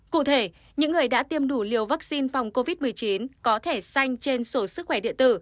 cụ thể những người đã tiêm đủ liều vaccine phòng covid một mươi chín có thể xanh trên sổ sức khỏe điện tử